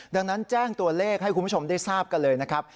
ดังนั้นแจ้งตัวเลขให้คุณผู้ชมได้ทราบกันเลยนะครับ